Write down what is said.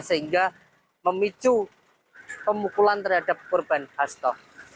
sehingga memicu pemukulan terhadap korban hasto